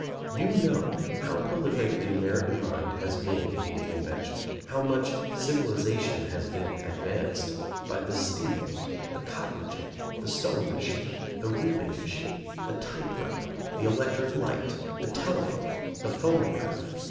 You know how prolific the American mind has been in invention; how much civilization has been advanced by the steamboat, the cotton gin, the sewing machine, the reaping machine, the typewriter, the electric light, the telephone, the phonograph.